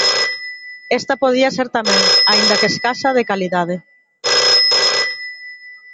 Esta podía ser tamén, aínda que escasa, de calidade.